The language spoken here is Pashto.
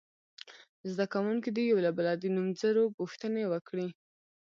زده کوونکي دې یو له بله د نومځرو پوښتنې وکړي.